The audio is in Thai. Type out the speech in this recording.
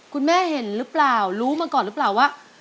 คุณแม่เห็นหรือเปล่ารู้มาก่อนหรือเปล่าว่า